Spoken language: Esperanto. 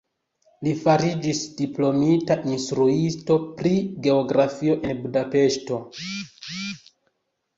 Li fariĝis diplomita instruisto pri geografio en Budapeŝto.